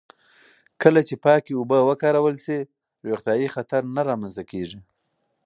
کله چې پاکې اوبه وکارول شي، روغتیايي خطر نه رامنځته کېږي.